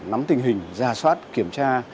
nắm tình hình ra soát kiểm tra